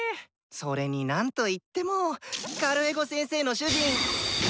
それに何と言ってもカルエゴ先生の主人。